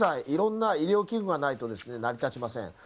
いろんな医療器具がないと成り立ちません。